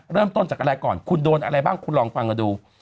เริ่มต้นจากอะไรก่อนคุณโดนอะไรบ้างคุณลองฟังกันดู